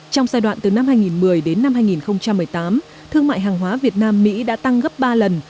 trong giai đoạn từ năm hai nghìn một mươi đến năm hai nghìn một mươi tám thương mại hàng hóa việt nam mỹ đã tăng gấp ba lần